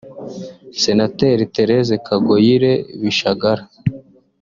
Senateri Thérèse Kagoyire Bishagara